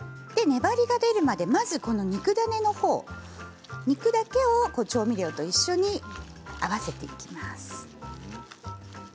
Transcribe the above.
粘りが出るまでまず肉ダネの方肉ダネを調味料と一緒に合わせていきます。